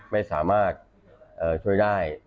ไม่สามารถช่วยได้